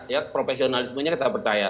ya profesionalismenya kita percaya